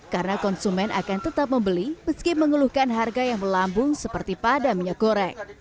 karena konsumen akan tetap membeli meski mengeluhkan harga yang melambung seperti padam minyak goreng